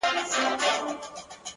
خدایه چیري په سفر یې له عالمه له امامه;